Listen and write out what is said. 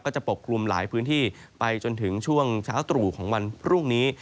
จะปกคลุมหลายพื้นที่ไปจนถึงช่วงเช้าตรู่ของวันพรุ่งนี้